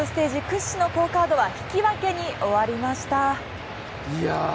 屈指の好カードは引き分けに終わりました。